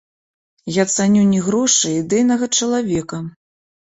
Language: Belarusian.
Я цаню не грошы, а ідэйнага чалавека.